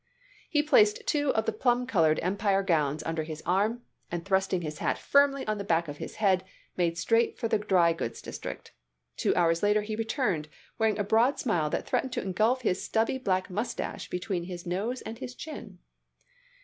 He placed two of the plum colored Empire gowns under his arm, and thrusting his hat firmly on the back of his head made straight for the dry goods district. Two hours later he returned, wearing a broad smile that threatened to engulf his stubby black mustache between his nose and his chin.